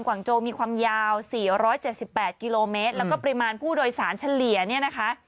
กว่างโจมีความยาวสี่ร้อยเจ็ดสิบแปดกิโลเมตรแล้วก็ปริมาณผู้โดยสารเฉลี่ยเนี่ยนะคะ